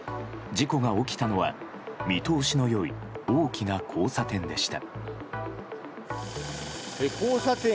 事故が起きたのは見通しの良い大きな交差点でした。